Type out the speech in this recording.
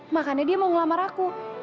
makanya dia mau ngelamar aku